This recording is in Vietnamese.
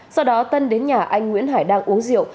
sau đó tân đến nhà anh nguyễn hải đang uống rượu